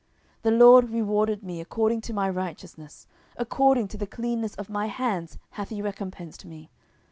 10:022:021 The LORD rewarded me according to my righteousness: according to the cleanness of my hands hath he recompensed me.